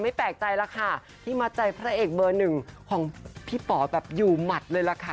แปลกใจแล้วค่ะที่มัดใจพระเอกเบอร์หนึ่งของพี่ป๋อแบบอยู่หมัดเลยล่ะค่ะ